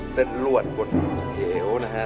เสร็จรวดกดเหลวนะฮะ